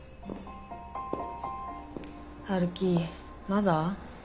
陽樹まだ？